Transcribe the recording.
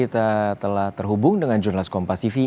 kita telah terhubung dengan jurnalist kompasivi